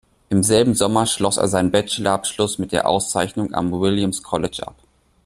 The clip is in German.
Im selben Sommer schloss er seinen Bachelor-Abschluss mit Auszeichnung am Williams College ab.